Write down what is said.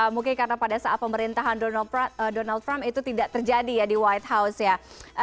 mungkin karena pada saat pemerintahan donald trump itu tidak terjadi ya di white house ya